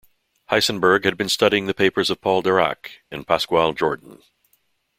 Heisenberg had been studying the papers of Paul Dirac and Pascual Jordan.